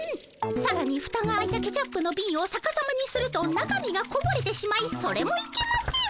さらにフタが開いたケチャップのビンをさかさまにすると中身がこぼれてしまいそれもいけません。